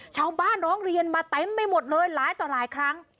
ร้องเรียนมาเต็มไปหมดเลยหลายต่อหลายครั้ง